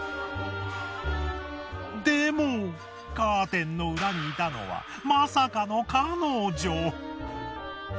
でもカーテンの裏にいたのはまさかの彼女。